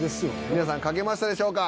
皆さん書けましたでしょうか？